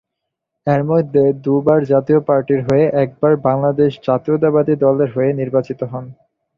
এরমধ্যে দু’বার জাতীয় পার্টির হয়ে একবার বাংলাদেশ জাতীয়তাবাদী দলের হয়ে নির্বাচিত হন।